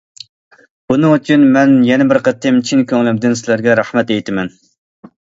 بۇنىڭ ئۈچۈن، مەن يەنە بىر قېتىم چىن كۆڭلۈمدىن سىلەرگە رەھمەت ئېيتىمەن.